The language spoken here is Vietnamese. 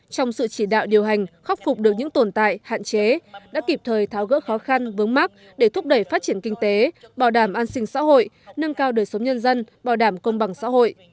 trong sự chỉ đạo điều hành khắc phục được những tồn tại hạn chế đã kịp thời tháo gỡ khó khăn vướng mắt để thúc đẩy phát triển kinh tế bảo đảm an sinh xã hội nâng cao đời sống nhân dân bảo đảm công bằng xã hội